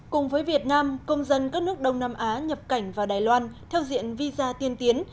cùng với việt nam công dân các nước đông nam á nhập cảnh vào đài loan theo diện visa tiên tiến